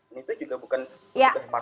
ini tuh juga bukan untuk kesempatan